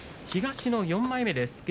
東の４枚目です。